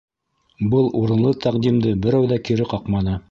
Был урынлы тәҡдимде берәү ҙә кире ҡаҡманы.